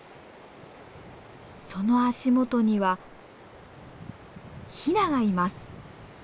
その足元にはヒナがいます！